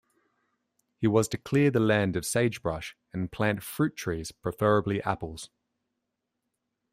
He was to clear the land of sagebrush and plant fruit trees, preferably apples.